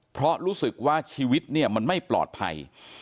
เพราะรู้สึกว่าชีวิตเนี่ยมันไม่ปลอดภัย